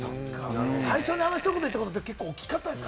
最初にあのひと言を言ったっていうのは大きかったですか？